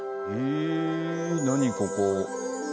え何ここ？